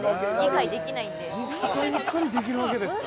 実際に狩りできるわけですか。